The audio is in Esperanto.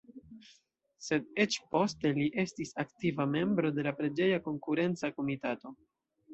Sed eĉ poste li estis aktiva membro de la preĝeja konkurenca komitato.